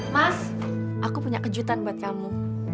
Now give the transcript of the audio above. mas aku punya kejutan buat kamu